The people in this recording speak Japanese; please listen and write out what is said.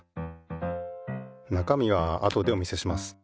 なかみはあとでお見せします。